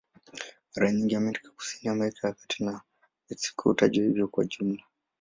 Mara nyingi Amerika ya Kusini, Amerika ya Kati na Meksiko hutajwa hivyo kwa jumla.